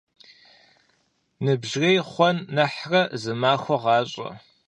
Ныбжьырей хъуэн нэхърэ зы махуэ гъащӀэ.